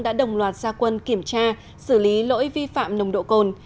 đã đồng loạt gia quân kiểm tra xử lý lỗi vi phạm nồng độ cồn